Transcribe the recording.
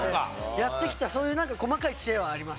やってきたそういう細かい知恵はあります。